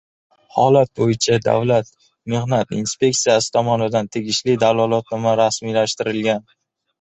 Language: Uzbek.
Holat bo‘yicha Davlat mexnat inspeksiyasi tomonidan tegishli dalolatnoma rasmiylashtirilgan